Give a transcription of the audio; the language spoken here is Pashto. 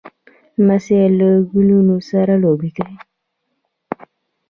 لمسی له ګلونو سره لوبې کوي.